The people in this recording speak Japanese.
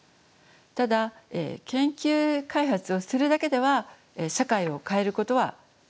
ただ研究開発をするだけでは社会を変えることはできないです。